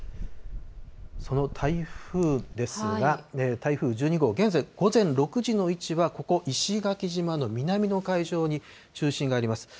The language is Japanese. その台風ですが、台風１２号、現在、午前６時の位置はここ、石垣島の南の海上に中心があります。